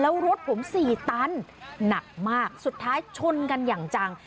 แล้วรถผม๔ตันหนักมากสุดท้ายชนกันอย่างจัง